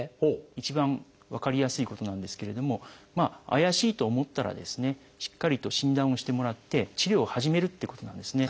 一番分かりやすいことなんですけれども怪しいと思ったらしっかりと診断をしてもらって治療を始めるっていうことなんですね。